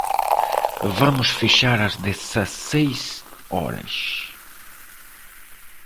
Vamos fechar às dezesseis horas.